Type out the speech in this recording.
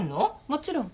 もちろん。